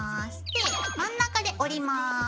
で真ん中で折ります。